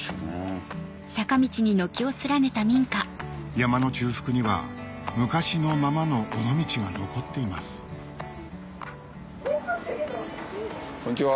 山の中腹には昔のままの尾道が残っていますこんにちは。